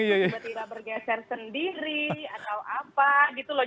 tiba tiba bergeser sendiri atau apa gitu loh